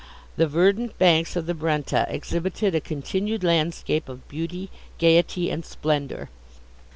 The verdant banks of the Brenta exhibited a continued landscape of beauty, gaiety, and splendour.